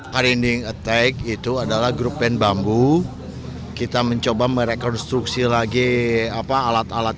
karinding attack itu adalah grup band bambu kita mencoba merekonstruksi lagi apa alat alat